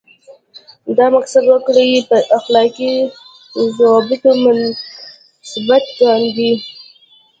دا مقصد وګړي په اخلاقي ضوابطو منضبط کاندي.